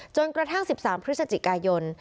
จนกระทั่ง๑๓พฤศจิกายน